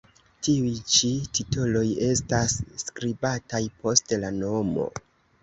Tiuj ĉi titoloj estas skribataj post la nomo.